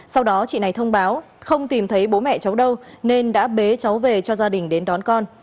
sau đó chị này thông báo không tìm thấy bố mẹ cháu đâu nên đã bế cháu về cho gia đình đến đón con